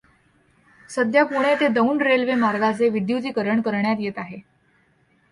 सद्या पुणे ते दौंड रेल्वे मार्गाचे विद्युतीकरण करण्यात येत आहे.